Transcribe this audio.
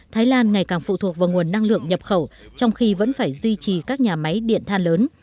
thái lan ngày càng phụ thuộc vào nguồn năng lượng nhập khẩu trong khi vẫn phải duy trì các nhà máy điện than lớn